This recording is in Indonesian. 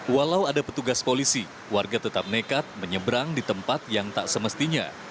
walau ada petugas polisi warga tetap nekat menyeberang di tempat yang tak semestinya